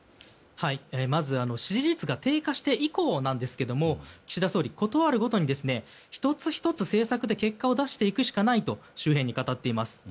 まず支持率が低下して以降なんですが岸田総理、ことあるごとに１つ１つ政策で結果を出していくしかないと周辺に語っています。